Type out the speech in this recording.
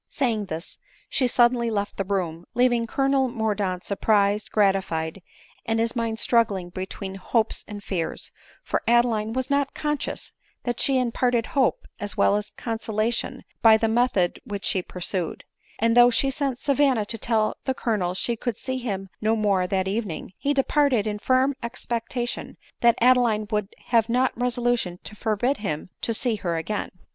Saying this, she suddenly left the room, leaving Colonel Mordaunt surprised, gratified, and his mind struggling between hopes and fears ; for Adeline was not conscious that she imparted hope as well as consolation by the method which she pursued ; and though she sent Savanna to tell the Colonel she could see him no more that eve ning, be departed in firm expectation that Adeline would not have resolution to forbid him to see her again.